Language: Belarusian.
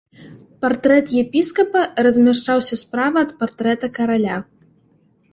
Партрэт епіскапа размяшчаўся справа ад партрэта караля.